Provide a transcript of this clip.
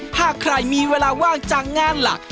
ถ้าใครมีเวลาว่างจากงานหลัก